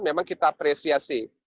memang kita apresiasi